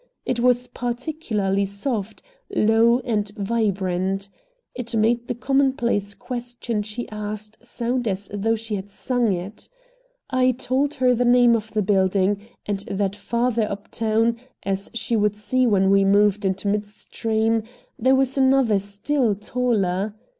It was particularly soft, low, and vibrant. It made the commonplace question she asked sound as though she had sung it. I told her the name of the building, and that farther uptown, as she would see when we moved into midstream, there was another still taller.